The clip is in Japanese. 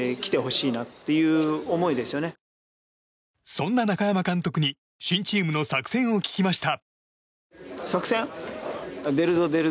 そんな中山監督に新チームの作戦を聞きました。